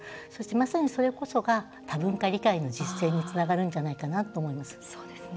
まさにそれこそが多文化理解の実践につながるんじゃないかなと思います。